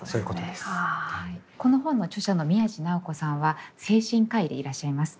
この本の著者の宮地尚子さんは精神科医でいらっしゃいます。